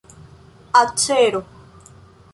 acero